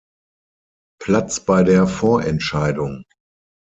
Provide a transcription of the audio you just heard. Platz bei der Vorentscheidung.